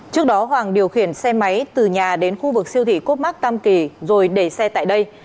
trước đó hoàng điều khiển xe máy từ nhà đến khu vực siêu thị cốt mắc tam kỳ rồi để xe tại đây